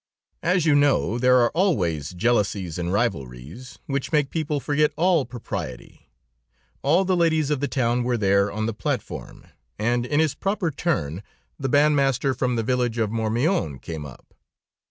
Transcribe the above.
"As you know, there are always jealousies and rivalries, which make people forget all propriety. All the ladies of the town were there on the platform, and, in his proper turn, the bandmaster from the village of Mourmillon came up.